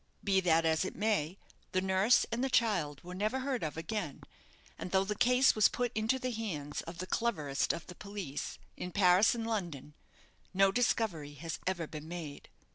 Be that as it may, the nurse and child were never heard of again, and though the case was put into the hands of the cleverest of the police, in Paris and London, no discovery has ever been made.